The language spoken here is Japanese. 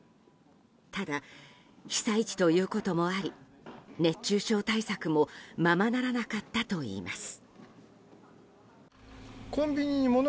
ただ、被災地ということもあり熱中症対策もままならなかったといいます。